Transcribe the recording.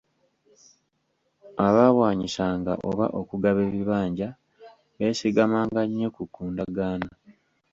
Abaawaanyisanga oba okugaba ebibanja, beesigamanga nnyo ku ndagaano.